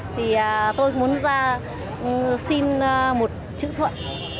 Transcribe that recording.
thì tôi muốn ra xin một chữ thuận